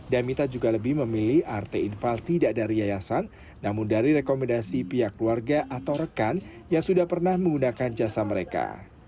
damita juga lebih memilih art infal tidak dari yayasan namun dari rekomendasi pihak keluarga atau rekan yang sudah pernah menggunakan jasa mereka